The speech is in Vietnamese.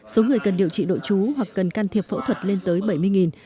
số người cần điều trị đội trú hoặc cần can thiệp phẫu thuật lên tới bảy mươi